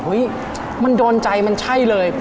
มันโดนใจมันใช่เลย